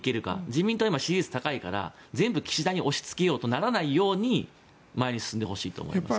自民党、今、支持率が高いから全部岸田に押しつけようとならないように前に進んでほしいです。